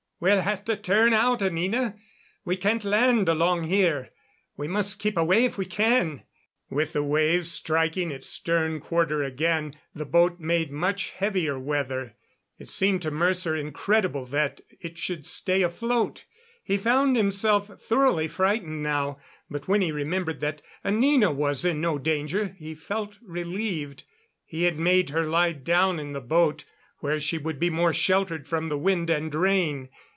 "We'll have to turn out, Anina. We can't land along here. We must keep away if we can." With the waves striking its stern quarter again, the boat made much heavier weather. It seemed to Mercer incredible that it should stay afloat. He found himself thoroughly frightened now, but when he remembered that Anina was in no danger he felt relieved. He had made her lie down in the boat, where she would be more sheltered from the wind and rain.